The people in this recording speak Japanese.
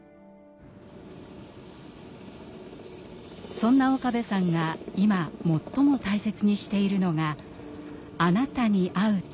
そんな岡部さんが今最も大切にしているのが“あなた”に会う旅。